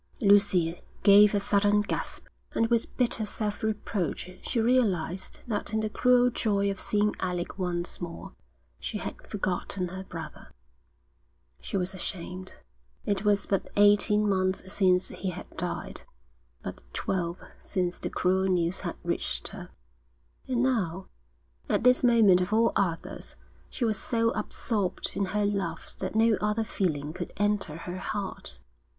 Lucy gave a sudden gasp. And with bitter self reproach she realised that in the cruel joy of seeing Alec once more she had forgotten her brother. She was ashamed. It was but eighteen months since he had died, but twelve since the cruel news had reached her, and now, at this moment of all others, she was so absorbed in her love that no other feeling could enter her heart.